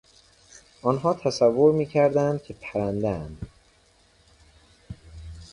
آنها تصور میکردند که پرندهاند.